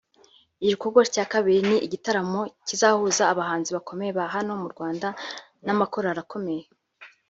Igikorwa cya kabiri ni igitaramo kizahuza abahanzi bakomeye ba hano mu Rwanda n’amakorali akomeye